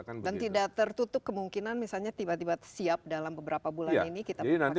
dan tidak tertutup kemungkinan misalnya tiba tiba siap dalam beberapa bulan ini kita pakai inggris